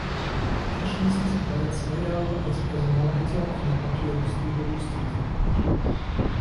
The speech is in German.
Anschließend war er zwei Jahre als Personalleiter in der Papierindustrie berufstätig.